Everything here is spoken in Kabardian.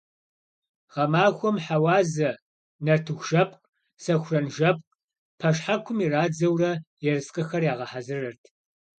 Гъэмахуэм хьэуазэ, нартыхужэпкъ, сэхуранжэпкъ пэшхьэкум ирадзэурэ, ерыскъыхэр ягъэхьэзырырт.